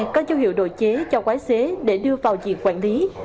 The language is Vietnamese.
có dấu hiệu đồ chế cho quái xế để đưa vào diện quản lý